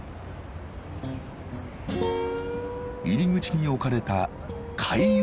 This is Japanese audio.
入り口に置かれた「開運狸」。